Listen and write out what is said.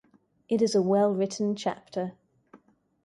It is a well-written chapter.